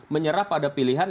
menyerah pada pilihan